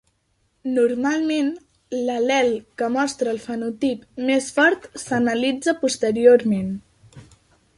Normalment, l"al·lel que mostra el fenotip més fort s"analitza posteriorment.